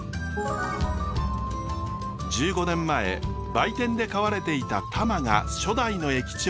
１５年前売店で飼われていたたまが初代の駅長に就任。